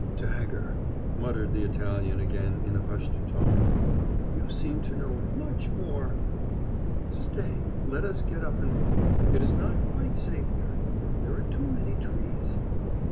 "Dagger!" muttered the Italian again in a hushed tone. "You seem to know much more " "Stay, let us get up and walk. It is not quite safe here.... There are too many trees."